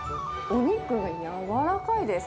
お肉がやわらかいです。